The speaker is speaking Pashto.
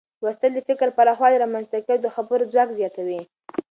لوستل د فکر پراخوالی رامنځته کوي او د خبرو ځواک زیاتوي.